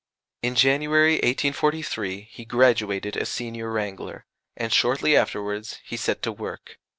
In January, 1843, he graduated as Senior Wrangler, and shortly afterwards he set to work.